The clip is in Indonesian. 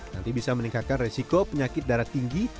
nanti bisa meningkatkan resiko penyakit darah tinggi